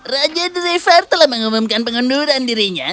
raja drevar telah mengumumkan pengunduran dirinya